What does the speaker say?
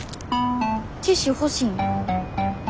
ティッシュ欲しいん？